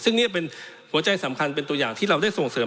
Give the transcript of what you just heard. ซึ่งนี่เป็นหัวใจสำคัญเป็นตัวอย่างที่เราได้ส่งเสริม